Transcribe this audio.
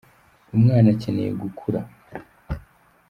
Umwana akeneye gukura.